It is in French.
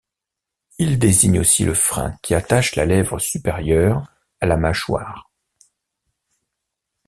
Il désigne aussi le frein qui attache la lèvre supérieure à la mâchoire.